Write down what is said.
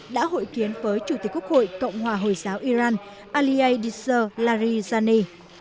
đã hội kiến với chủ tịch quốc hội cộng hòa hồi giáo iran aliyeh disar lariyani